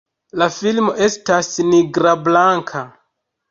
La filmo estas nigra-blanka.